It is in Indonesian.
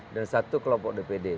dan satu kelompok dpd